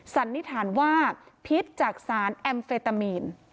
สันนิษฐานว่าพิษจากสารแอมเฟตามีน